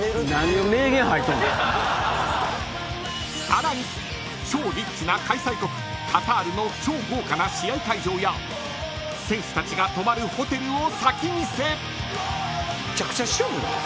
［さらに超リッチな開催国カタールの超豪華な試合会場や選手たちが泊まるホテルを先見せ］